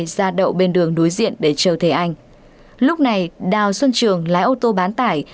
ra đậu bên đường đối diện để chờ thế anh lúc này đào xuân trường lái ô tô bán tải